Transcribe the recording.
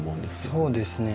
そうですね。